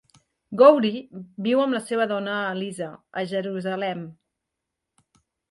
Gouri viu amb la seva dona, Aliza, a Jerusalem.